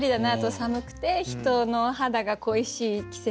寒くて人の肌が恋しい季節。